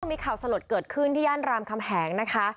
มีข่าวสลดเกิดขึ้นที่ย่านรามคำแหงนะคะ